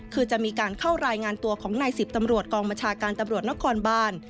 คือจะมีการเข้ารายงานตัวของนายสิบตำรวจกองบัญชาการตำรวจนครบาน